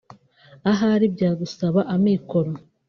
Ahari byagusaba amikoro